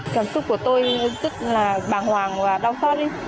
cảm xúc của tôi rất là bàng hoàng và đau khoát